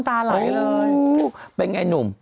ไปไหนหนุ่ม